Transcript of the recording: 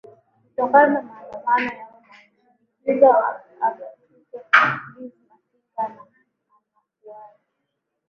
kutokana na maandamano ya uma kushinikiza angatuke liz masinga ana anakuari